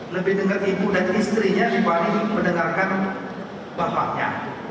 lebih dengar ibu dan istrinya dibanding mendengarkan bapaknya